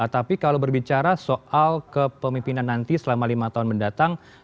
tapi kalau berbicara soal kepemimpinan nanti selama lima tahun mendatang